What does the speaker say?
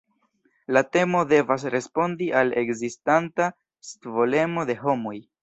La temo devas respondi al ekzistanta scivolemo de homoj.